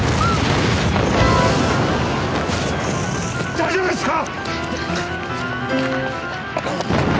大丈夫ですか！？